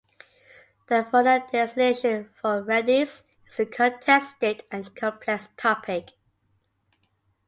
The varna designation of Reddys is a contested and complex topic.